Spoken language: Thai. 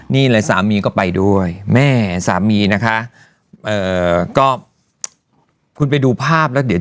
นี่เลยสามีก็ไปด้วยแม่สามีนะคะเอ่อก็คุณไปดูภาพแล้วเดี๋ยว